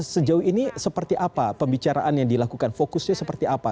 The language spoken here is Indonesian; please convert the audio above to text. sejauh ini seperti apa pembicaraan yang dilakukan fokusnya seperti apa